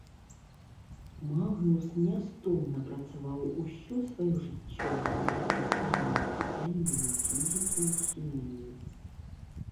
Магнус нястомна працаваў усё сваё жыццё над разнастайнымі пытаннямі фізікі і хіміі.